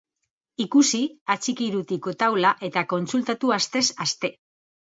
Ikusi atxikirutiko taula eta kontsultatu astez aste!